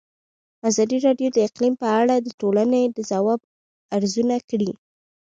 ازادي راډیو د اقلیم په اړه د ټولنې د ځواب ارزونه کړې.